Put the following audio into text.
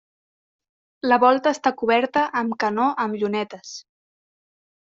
La volta està coberta amb canó amb llunetes.